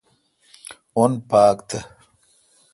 اون پاک تھ۔